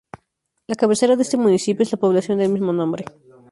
La cabecera de este municipio es la población del mismo nombre.